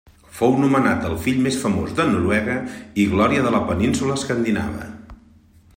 Fou nomenat el fill més famós de Noruega i glòria de la península escandinava.